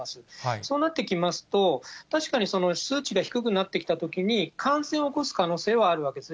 そうなってきますと、確かに数値が低くなってきたときに、感染を起こす可能性はあるわけですね。